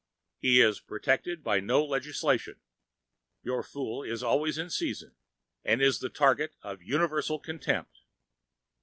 He is protected by no legislation; your fool is always in season, and is the target for universal contempt.